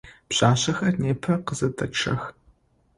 Пшъашъэхэр непэ къызэдэчъэх.